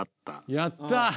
やった！